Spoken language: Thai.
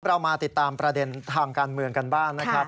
เรามาติดตามประเด็นทางการเมืองกันบ้างนะครับ